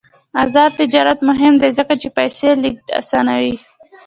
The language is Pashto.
آزاد تجارت مهم دی ځکه چې پیسې لیږد اسانوي.